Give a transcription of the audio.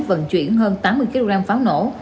vận chuyển hơn tám mươi kg pháo nổ